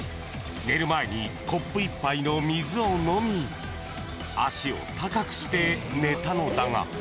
寝る前にコップ１杯の水を飲み足を高くして寝たのだが。